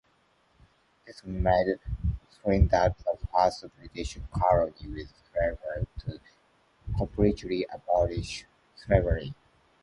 This made Trinidad the first British colony with slaves to completely abolish slavery.